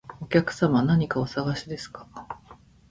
お客様、何かお探しですか？